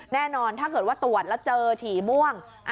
แน่นอนถ้าเกิดว่าตรวจแล้วเจอฉี่ม่วง